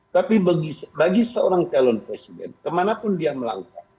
tapi bagi seorang calon presiden kemanapun dia melanggar